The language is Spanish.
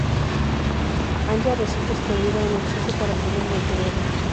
Anya recita escondida un hechizo para poder detenerla.